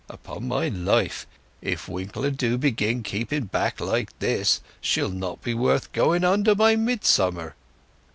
Upon my life, if Winker do begin keeping back like this, she'll not be worth going under by midsummer."